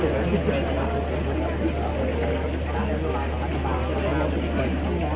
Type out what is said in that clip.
เมืองอัศวินธรรมดาคือสถานที่สุดท้ายของเมืองอัศวินธรรมดา